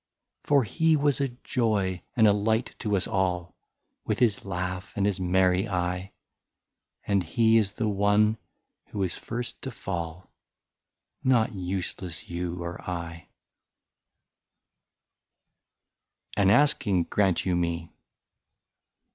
" For he was a joy and a light to us all. With his laugh and his merry eye ; And he is the one who is first to fall, — Not useless you or I/* 30 " AN ASKING, GRANT YOU ME